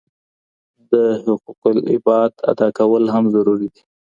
د حقوق العباد ادا کول هم ضروري دي.